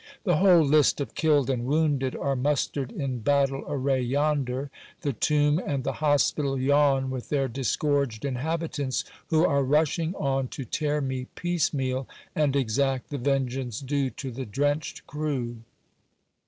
The whole list of killed and wounded are mustered in battle array yonder : the tomb and the hospital yawn with their disgorged inhabitants, who are rushing on to tear me piece meal, and exact the vengeance due to the drenched crew.